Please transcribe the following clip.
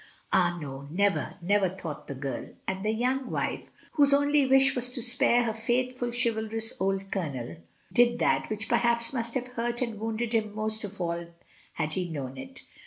Ah, no, never, never, thought the girl. And the young wife, whose only wish was to spare her faithful, chivalrous old colonel, did that which perhaps must have hurt and wounded him most of all had he known it.